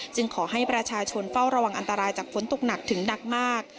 ขอให้ประชาชนเฝ้าระวังอันตรายจากฝนตกหนักถึงหนักมาก